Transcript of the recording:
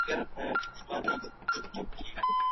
هغه هېوادونه چي پياوړي دي، ښه اقتصاد لري.